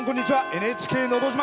「ＮＨＫのど自慢」。